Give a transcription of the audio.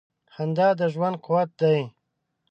• خندا د ژوند قوت دی.